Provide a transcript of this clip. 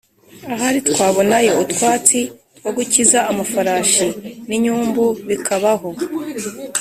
ahari twabonayo utwatsi two gukiza amafarashi n’inyumbu bikabaho